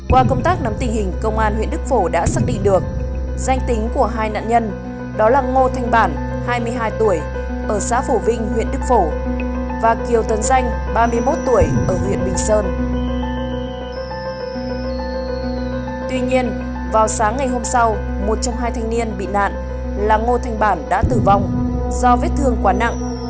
vào sáng ngày hôm sau một trong hai thanh niên bị nạn là ngô thanh bản đã tử vong do vết thương quá nặng